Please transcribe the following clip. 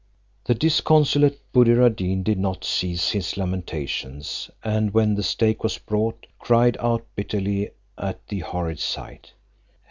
The disconsolate Buddir ad Deen did not cease his lamentations; and when the stake was brought, cried out bitterly at the horrid sight.